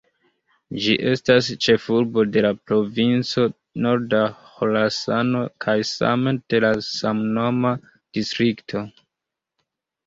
Ĝi estas ĉefurbo de la Provinco Norda Ĥorasano kaj same de la samnoma distrikto.